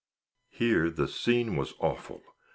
Here the scene was awful.